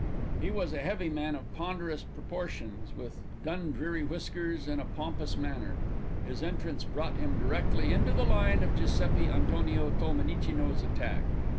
He was a heavy man of ponderous proportions, with Dundreary whiskers and a pompous manner. His entrance brought him directly into the line of Giuseppi Antonio Tolmenicino's attack.